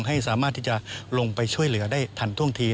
ให้สามารถที่จะลงไปช่วยเหลือได้ทันท่วงที